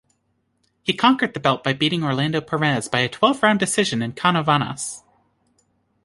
He conquered the belt by beating Orlando Perez by a twelve-round decision in Canovanas.